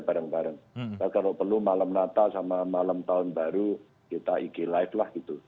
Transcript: kalau perlu malam natal sama malam tahun baru kita ikil live lah gitu